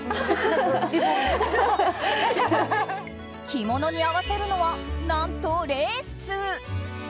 着物に合わせるのは何とレース！